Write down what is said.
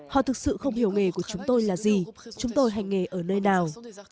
họ thực sự không hiểu nghề của chúng tôi là gì chúng tôi hành nghề ở nơi nào